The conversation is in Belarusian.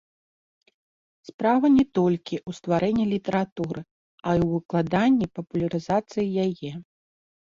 Справа не толькі ў стварэнні літаратуры, а і ў выкладанні, папулярызацыі яе.